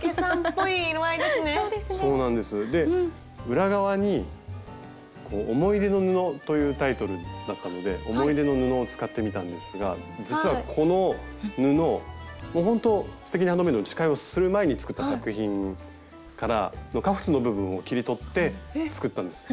裏側に思い出の布というタイトルだったので思い出の布を使ってみたんですが実はこの布ほんと「すてきにハンドメイド」の司会する前に作った作品からカフスの部分を切り取って作ったんです。